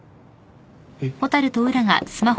えっ？